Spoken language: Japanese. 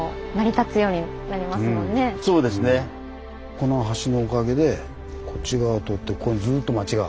この橋のおかげでこっち側通ってここにずっと町が。